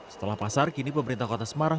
setelah pasar kini pemerintah kota semarang